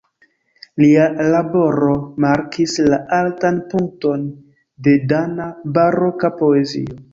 Lia laboro markis la altan punkton de dana baroka poezio.